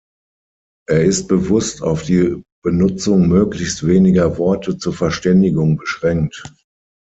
Er ist bewusst auf die Benutzung möglichst weniger Worte zur Verständigung beschränkt.